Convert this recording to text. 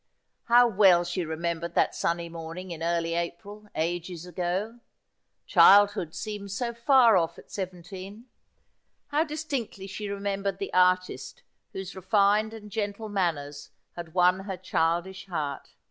How well she remembered that sunny morning in early April — ages ago ! Childhood seems so far ofE at seventeen. How distinctly she remembered the artist whose refined and gentle manners had won her childish heart